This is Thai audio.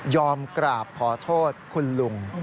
กราบขอโทษคุณลุง